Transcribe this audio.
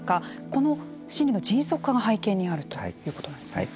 この審理の迅速化が背景にあるということなんですね。